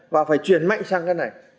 và phải chuyển mạnh sang cái này